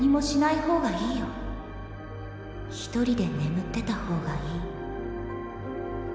一人で眠ってた方がいい。